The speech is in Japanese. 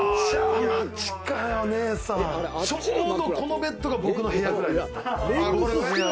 ちょうどこのベッドが僕の部屋くらいですよ。